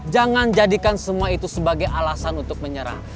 jangan jadikan semua itu sebagai alasan untuk menyerang